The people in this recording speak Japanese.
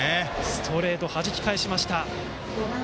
ストレートをはじき返しました。